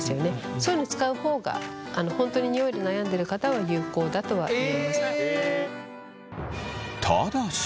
そういうのを使う方が本当にニオイで悩んでる方は有効だとは思います。